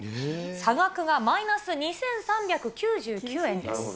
差額がマイナス２３９９円です。